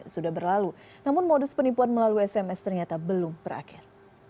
sudah berlalu namun modus penipuan melalui sms ternyata belum berakhir